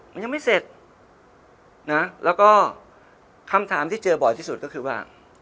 มันยังไม่เสร็จนะแล้วก็คำถามที่เจอบ่อยที่สุดก็คือว่า